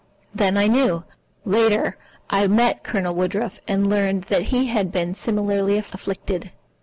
Then I knew. Later, I met Colonel Woodruff, and learned that he had been similarly afflicted.